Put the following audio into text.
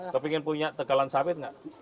tapi ingin punya tegalan sawit tidak